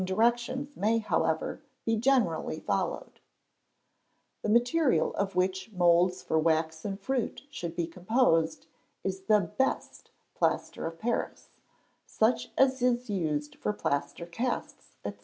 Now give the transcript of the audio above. The following directions may, however, be generally followed: The material of which moulds for waxen fruit should be composed is the best plaster of Paris, such as is used for plaster casts, &c.